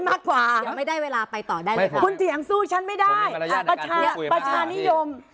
ประชานิยม